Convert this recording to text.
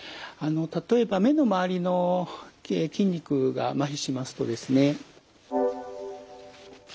例えば目の周りの筋肉がまひしますとですね。